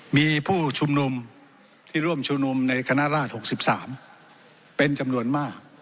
มีผู้ชุมนุมที่ร่วมชุมนุมในคณะราช๖๓เป็นจำนวนมาก